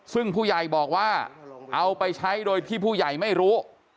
ซึ่งผู้ใหญ่บอกว่าเอาไปใช้โดยที่ผู้ใหญ่ไม่รู้